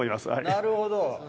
なるほど。